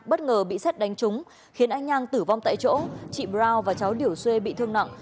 bất ngờ bị xét đánh trúng khiến anh ngang tử vong tại chỗ chị brao và cháu điểu xuê bị thương nặng